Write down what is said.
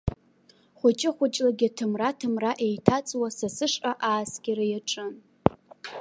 Хәыҷы-хәыҷлагьы, ҭымра-ҭымра еиҭаҵуа, са сышҟа ааскьара иаҿын.